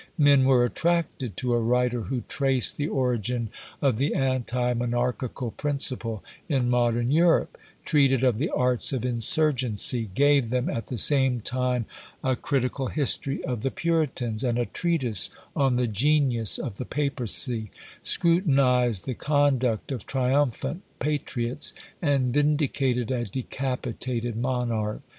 Men were attracted to a writer who traced the origin of the anti monarchical principle in modern Europe; treated of the arts of insurgency; gave them, at the same time, a critical history of the Puritans, and a treatise on the genius of the Papacy; scrutinised the conduct of triumphant patriots, and vindicated a decapitated monarch.